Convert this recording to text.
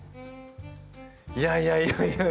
いやいやいやいや！